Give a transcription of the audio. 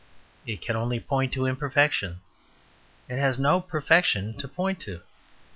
It can only point to imperfection. It has no perfection to point to.